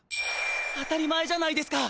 当たり前じゃないですか！